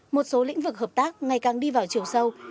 một số lĩnh vực hợp tác ngày càng đi vào chiều sâu